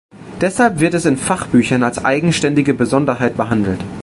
Deshalb wird es in Fachbüchern als eigenständige Besonderheit behandelt.